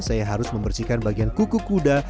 saya harus membersihkan bagian kuku kuda